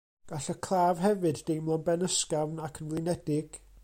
Gall y claf hefyd deimlo'n benysgafn ac yn flinedig.